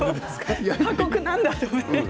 過酷なんだって。